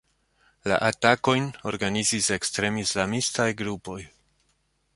La atakojn organizis ekstrem-islamistaj grupoj.